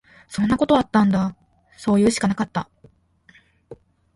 そんなことあったんだ。そういうしかなかった。